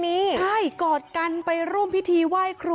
มีแต่คาน้ำมันลดเอง